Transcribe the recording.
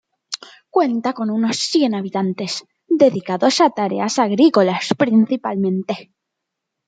Cuenta con unos cien habitantes dedicados a tareas agrícolas principalmente.